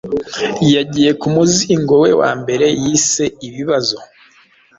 yagiye ku muzingo we wa mbere yise ibibazo.